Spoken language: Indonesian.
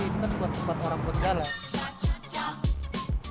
ini kan bukan tempat orang berjalan